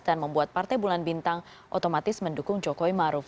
dan membuat partai bulan bintang otomatis mendukung jokowi ma'ruf